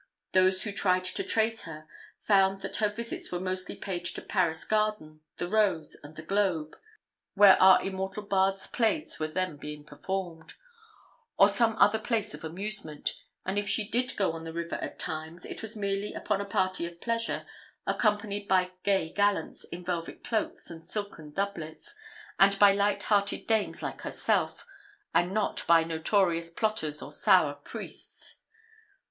Those who tried to trace her, found that her visits were mostly paid to Paris Garden, the Rose, and the Globe (where our immortal bard's plays were then being performed), or some other place of amusement; and if she did go on the river at times, it was merely upon a party of pleasure, accompanied by gay gallants in velvet cloaks and silken doublets, and by light hearted dames like herself, and not by notorious plotters or sour priests.